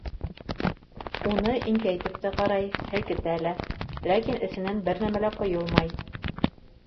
Уны иңкәйтеп тә ҡарай, һелкетә лә, ләкин эсенән бер нәмә лә ҡойолмай.